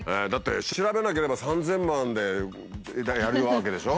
調べなければ３，０００万でやるわけでしょ。